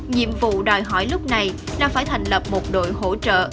nhiệm vụ đòi hỏi lúc này là phải thành lập một đội hỗ trợ